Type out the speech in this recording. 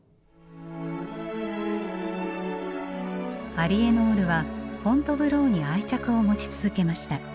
アリエノールはフォントヴローに愛着を持ち続けました。